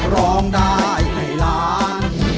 ร้องได้ให้ล้าน